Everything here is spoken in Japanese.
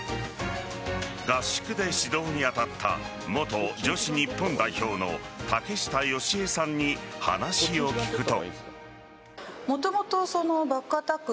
合宿で指導に当たった元女子日本代表の竹下佳江さんに話を聞くと。